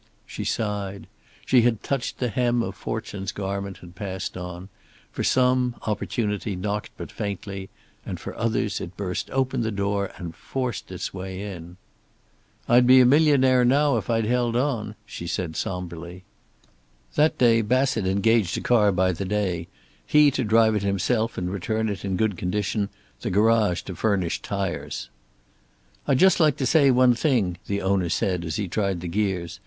She sighed. She had touched the hem of fortune's garment and passed on; for some opportunity knocked but faintly, and for others it burst open the door and forced its way in. "I'd be a millionaire now if I'd held on," she said somberly. That day Bassett engaged a car by the day, he to drive it himself and return it in good condition, the garage to furnish tires. "I'd just like to say one thing," the owner said, as he tried the gears.